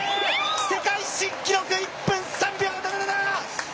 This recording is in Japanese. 世界新記録１分３秒７７。